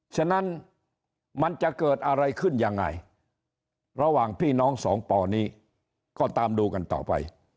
ฉะนั้นมันจะเกิดอะไรขึ้นยังไงระหว่างพี่น้องสองป่อนี้ก็ตามดูกันต่อไป